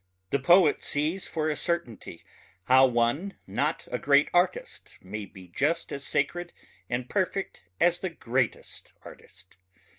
The poet sees for a certainty how one not a great artist may be just as sacred and perfect as the greatest artist....